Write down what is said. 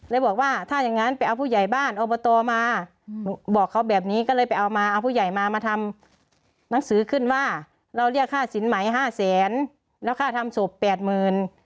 บอกว่าถ้าอย่างนั้นไปเอาผู้ใหญ่บ้านอบตมาบอกเขาแบบนี้ก็เลยไปเอามาเอาผู้ใหญ่มามาทำหนังสือขึ้นว่าเราเรียกค่าสินใหม่ห้าแสนแล้วค่าทำศพแปดหมื่น